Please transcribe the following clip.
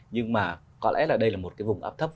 nhưng mà có lẽ là đây là một cái vùng áp thấp